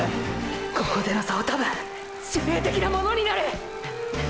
ここでの差はたぶん致命的なものになる！！